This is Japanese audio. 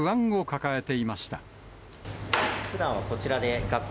ふだんはこちらで、学校